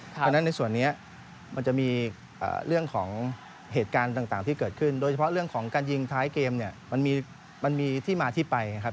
เพราะฉะนั้นในส่วนนี้มันจะมีเรื่องของเหตุการณ์ต่างที่เกิดขึ้นโดยเฉพาะเรื่องของการยิงท้ายเกมเนี่ยมันมีที่มาที่ไปนะครับ